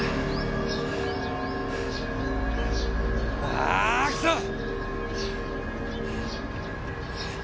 あクソッ！